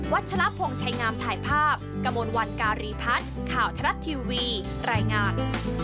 ชะละพงศ์ชัยงามถ่ายภาพกระมวลวันการีพัฒน์ข่าวทรัฐทีวีรายงาน